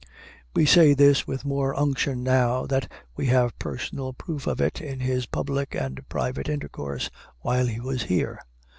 We say this with more unction now that we have personal proof of it in his public and private intercourse while he was here.